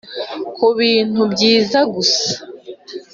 kubintu byiza gusa